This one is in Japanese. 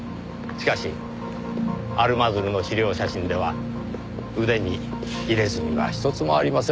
しかしアルマズルの資料写真では腕に入れ墨はひとつもありませんでした。